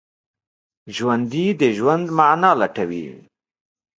ژوندي د ژوند معنی لټوي